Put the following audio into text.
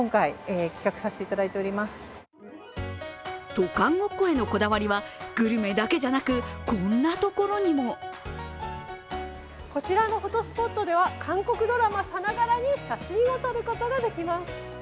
渡韓ごっこへのこだわりはグルメだけじゃなくこんなところにもこちらのフォトスポットでは韓国ドラマさながらに写真を撮ることができます。